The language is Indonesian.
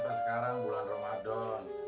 sekarang bulan ramadan